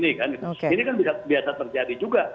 ini kan biasa terjadi juga